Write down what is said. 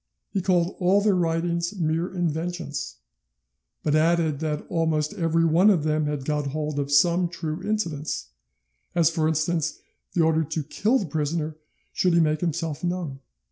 He called all their writings mere inventions, but added that almost every one of them had got hold of some true incidents, as for instance the order to kill the prisoner should he make himself known.